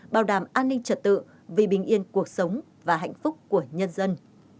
bảo đảm an ninh trật tự vì bình yên cuộc sống và hạnh phúc của nhân dân